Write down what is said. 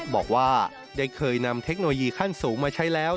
บอกว่าได้เคยนำเทคโนโลยีขั้นสูงมาใช้แล้ว